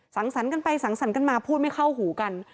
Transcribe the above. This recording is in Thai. สังสรรค์กันไปสังสรรค์กันมาพูดไม่เข้าหูกัน